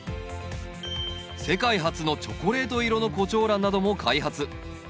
世界初のチョコレート色のコチョウランなども開発。